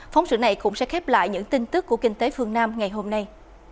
phóng sự này cũng sẽ khép lại những tin tức của kinh tế phương nam ngày hôm nay